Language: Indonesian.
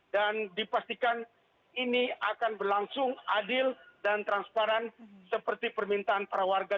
dan dipastikan ini akan berlangsung adil dan transparan seperti permintaan para warga